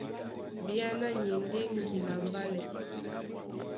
Bíáná ni e ndé ŋgila a mbálɛ.